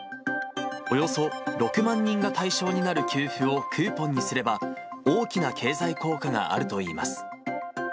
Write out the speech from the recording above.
およそ６万人が対象になる給付をクーポンにすれば、大きな経済効果があるといいます。